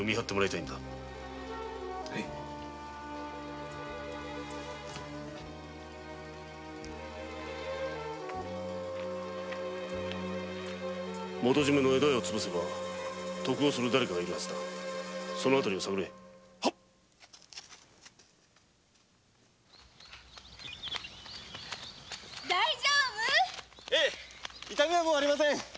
痛みはもうありません。